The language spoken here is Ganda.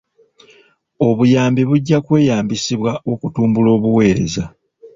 Obuyambi bujja kweyambisibwa okutumbula obuweereza.